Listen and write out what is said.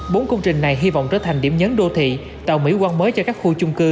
bốn công trình này hy vọng trở thành điểm nhấn đô thị tạo mỹ quan mới cho các khu chung cư